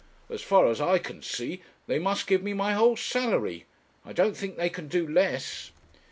As far as I can see they must give me my whole salary. I don't think they can do less.'